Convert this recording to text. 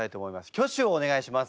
挙手をお願いします。